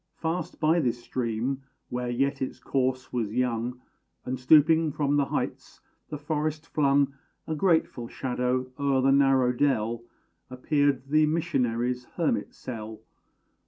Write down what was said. Fast by this stream, where yet its course was young, And, stooping from the heights, the forest flung A grateful shadow o'er the narrow dell, Appeared the missionary's hermit cell.